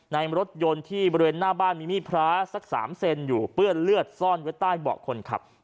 ในรถยนต์ที่บริเวณหน้าบ้านมีมีดพระสัก๓เซนอยู่เปื้อนเลือดซ่อนไว้ใต้เบาะคนขับ